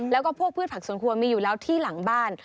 แล้วก็พวกพืชผักสวนครัวมีอยู่แล้วที่หลังบ้าน